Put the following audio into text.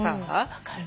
分かる。